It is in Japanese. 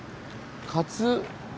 カツ。